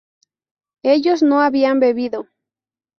ellos no habían bebido